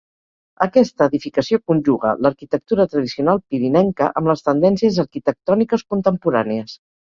Aquesta edificació conjuga l'arquitectura tradicional pirinenca amb les tendències arquitectòniques contemporànies.